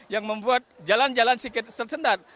yang membuat jalan jalan tersendat